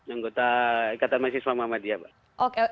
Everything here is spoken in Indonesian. anggota ikatan mahasiswa muhammadiyah pak